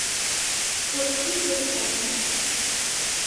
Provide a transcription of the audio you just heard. Ոտքերը երկար են, ուժեղ։